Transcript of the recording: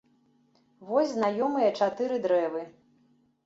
Вось знаёмыя чатыры дрэвы.